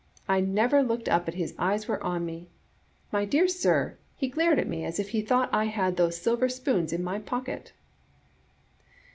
' I never looked up but his eyes were on me. My dear sir, he glared at me as if he thought I had those silver spoons in my pocket.